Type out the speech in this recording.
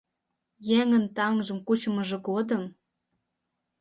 Еҥын таҥжым кучымыжо годым